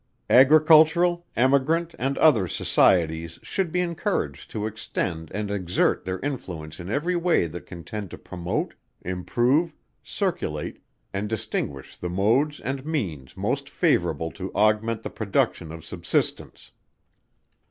Agricultural, Emigrant, and other Societies should be encouraged to extend and exert their influence in every way that can tend to promote, improve, circulate and distinguish the modes and means most favourable to augment the production of subsistence.